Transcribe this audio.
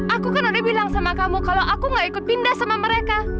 aku kan ada bilang sama kamu kalau aku gak ikut pindah sama mereka